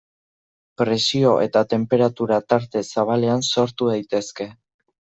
Presio eta tenperatura tarte zabalean sortu daitezke.